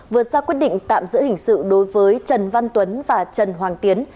vừa ra quyết định tạm giữ hình sự đối với trần văn tuấn và trần hoàng tiến